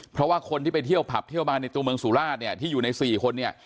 เพราะว่าคนที่ไปเที่ยวผับเที่ยวบานในตัวเมืองสุราชเนี่ยที่อยู่ใน๔คนเนี่ย